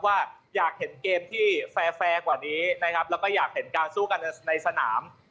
ว่าอยากเห็นเกมที่แฟร์แฟร์กว่านี้นะครับแล้วก็อยากเห็นการสู้กันในสนาม